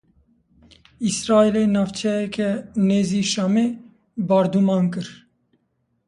Îsraîlê navçeyeke nêzî Şamê bordûman kir.